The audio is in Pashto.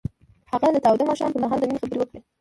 هغه د تاوده ماښام پر مهال د مینې خبرې وکړې.